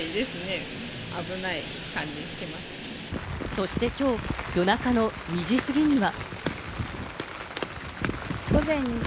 そしてきょう夜中の２時過ぎには。